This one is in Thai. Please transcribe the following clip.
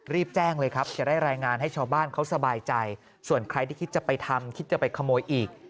รีบแจ้งเลยครับจะได้รายงานให้ชาวบ้านเขาสบายใจส่วนใครที่คิดจะไปทำคิดจะไปขโมยอีก